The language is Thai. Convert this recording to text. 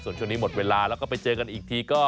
ส่วนช่วงนี้หมดเวลาแล้วก็ไปเจอกันอีกทีก็